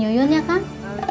iyun ikut ya kang